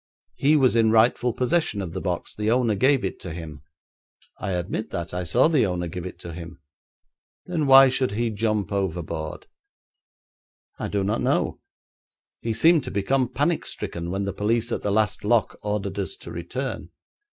'He was in rightful possession of the box; the owner gave it to him.' 'I admit that; I saw the owner give it to him.' 'Then why should he jump overboard?' 'I do not know. He seemed to become panic stricken when the police at the last lock ordered us to return.